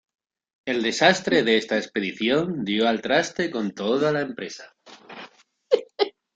El desastre de esta expedición dio al traste con toda la empresa.